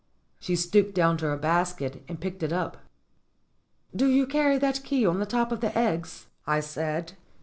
She stooped down to her basket and picked it up. "Do" you carry that key on the top of the eggs?" I said.